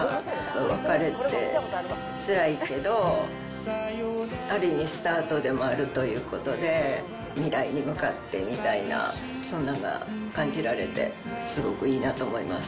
別れってつらいけど、ある意味、スタートでもあるということで、未来に向かってみたいな、そんなんが感じられて、すごくいいなと思います。